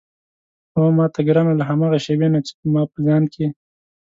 هو ماته ګرانه له هماغه شېبې نه چې ما په ځان کې.